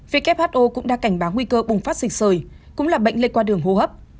who cũng đã cảnh báo nguy cơ bùng phát dịch sởi cũng là bệnh lây qua đường hô hấp